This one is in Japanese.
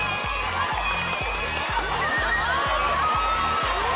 頑張れー！